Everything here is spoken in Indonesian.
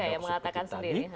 pak jk yang mengatakan sendiri